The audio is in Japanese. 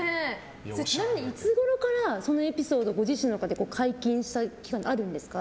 ちなみに、いつごろからそのエピソード、ご自身の中で解禁した時があるんですか？